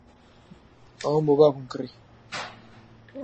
ئەوەم بۆ باوکم کڕی.